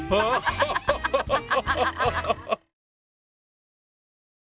ハハハハハ！